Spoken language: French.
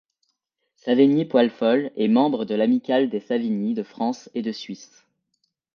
Savigny-Poil-Fol est membre de l'Amicale des Savigny de France et de Suisse.